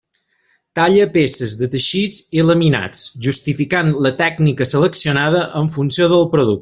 Talla peces de teixits i laminats, justificant la tècnica seleccionada en funció del producte.